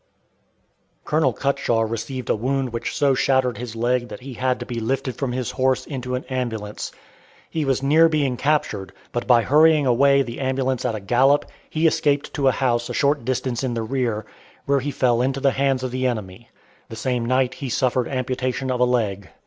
Colonel Cutshaw received a wound which so shattered his leg that he had to be lifted from his horse into an ambulance. He was near being captured, but by hurrying away the ambulance at a gallop, he escaped to a house a short distance in the rear, where he fell into the hands of the enemy. The same night he suffered amputation of a leg.